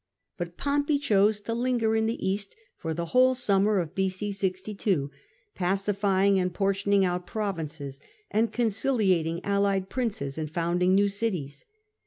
But Pompey chose to linger in the East for the whole summer of B.c. 62, pacifying and portioning out provinces, conciliating allied princes, and founding new cities.